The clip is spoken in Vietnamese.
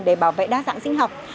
để bảo vệ đa dạng sinh học